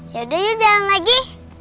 yaudah yuk jalan lagi